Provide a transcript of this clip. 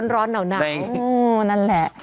ร้อนหนาวนั่นแหละ